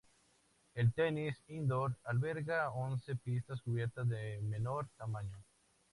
El "Tenis Indoor" alberga once pistas cubiertas de menor tamaño.